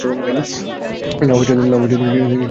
না, সে খুব দুর্ভাগী!